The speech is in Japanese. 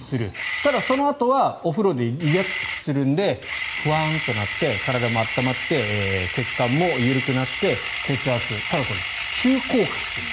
ただ、そのあとはお風呂でリラックスするのでほわんとなって体も温まって血管も緩くなって血圧ただこれ、急降下していく。